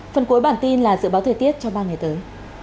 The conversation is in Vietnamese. phần cuối bản tin là dự báo thời tiết trong ba ngày tới